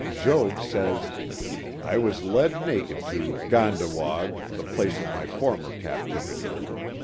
Jogues says: I was led naked to Gandawague, the place of my former captivity."